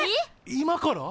今から！？